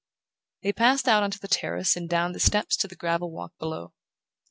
They passed out onto the terrace and down the steps to the gravel walk below.